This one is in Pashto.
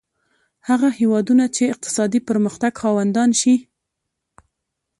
هغه هېوادونه چې اقتصادي پرمختګ خاوندان شي.